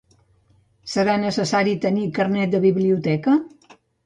Serà necessari tenir carnet de biblioteca?